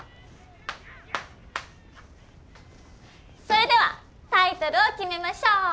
それではタイトルを決めましょう！